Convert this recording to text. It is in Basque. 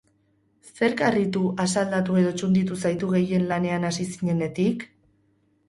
Zerk harritu, asaldatu edo txunditu zaitu gehien lanean hasi zinenetik?